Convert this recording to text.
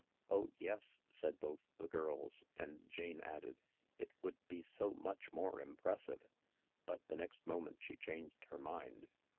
" Oh yes," said both the girls, and Jane added :" It would be so much more impressive." But the next moment she changed her mind.